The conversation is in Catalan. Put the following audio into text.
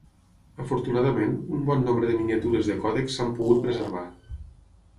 Afortunadament, un bon nombre de miniatures de còdexs s'han pogut preservar.